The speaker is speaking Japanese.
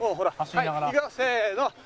はいいくよせーの。